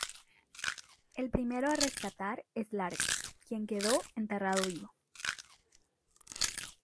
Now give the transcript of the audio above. El primero a rescatar es Largo, quien quedó enterrado vivo.